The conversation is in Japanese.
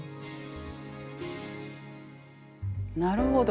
なるほど。